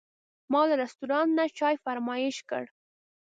ما له رستورانت نه چای فرمایش کړ.